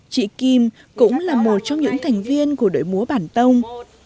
chị kim cũng là một trong những thành viên của đội múa bản tông